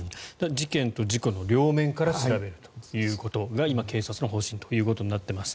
事件と事故の両面から調べるというのが今、警察の方針になっています。